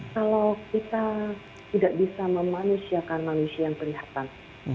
kalau kita tidak bisa memanusiakan manusia yang kelihatan